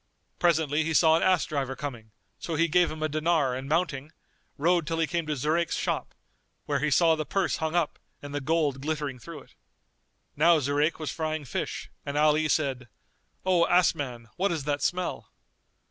Presently he saw an ass driver coming, so he gave him a dinar and mounting, rode till he came to Zurayk's shop, where he saw the purse hung up and the gold glittering through it. Now Zurayk was frying fish, and Ali said, "O ass man, what is that smell?"